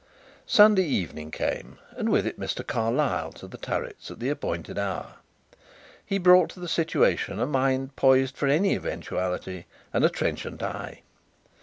Sunday evening came, and with it Mr. Carlyle to The Turrets at the appointed hour. He brought to the situation a mind poised for any eventuality and a trenchant eye.